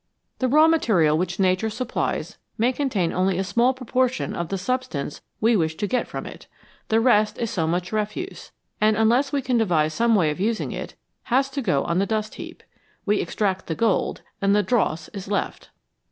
The raw material which Nature supplies may contain only a small proportion of the substance we wish to get from it ; the rest is so much refuse, and, unless we can devise some way of using it, has to go on the dust heap. We extract the gold, and the dross is left.